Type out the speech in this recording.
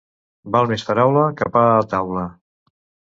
Val més paraula que pa a taula.